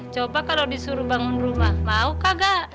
coba kalau disuruh bangun rumah